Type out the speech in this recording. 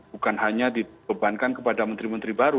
bukan hanya dibebankan kepada menteri menteri baru